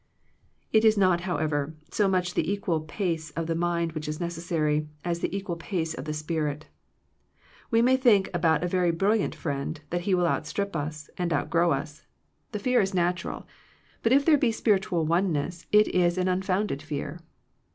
It is not, however, so much the equal pace of the mind which is necessary, as the equal pace of the spirit. We may think about a very brilliant fiiend that he will outstrip us, and outgrow us. The Digitized by VjOOQIC THE WRECK OF FRIENDSHIP fear is natural, but if there be spiritual oneness it is an unfounded fear.